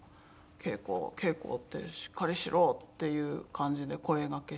「啓子！啓子！」って「しっかりしろ！」っていう感じで声がけしてて。